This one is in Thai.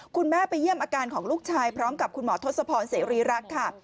คุณแม่ไปเยี่ยมอาการของลูกชายพร้อมกับคุณหมอทศพรเสรีรักษ์ค่ะ